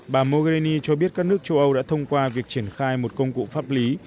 bà mogherini cho biết các nước châu âu đã thông qua việc triển khai một công cụ pháp lý